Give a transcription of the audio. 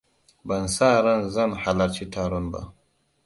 Ban sa ran zan halarci taron ba.